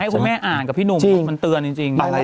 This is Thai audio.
คุณแม่อ่านกับพี่หนุ่มมันเตือนจริง